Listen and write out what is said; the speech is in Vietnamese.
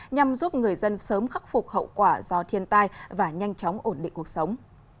nhằm giúp người dân sớm khắc phục hậu quả do thiên tai và nhanh chóng ổn định cuộc sống